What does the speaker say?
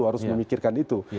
harus memikirkan itu